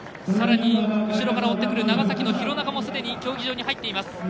さらに、後ろから追ってくる長崎の廣中もすでに競技場に入っています。